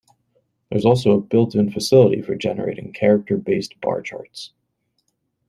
There's also a built-in facility for generating character-based bar charts.